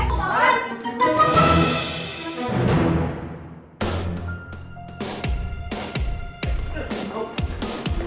ras tetap mas raka